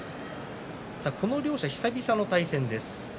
この両者の対戦です。